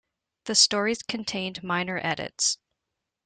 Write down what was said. The stories contained minor edits.